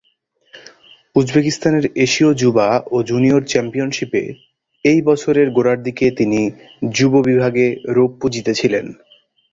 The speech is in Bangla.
উজবেকিস্তানের এশীয় যুবা ও জুনিয়র চ্যাম্পিয়নশিপে এই বছরের গোড়ার দিকে, তিনি যুব বিভাগে রৌপ্য জিতেছিলেন।